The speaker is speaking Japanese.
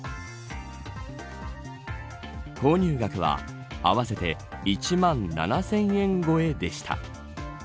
購入額は合わせて１万７０００円超えでした。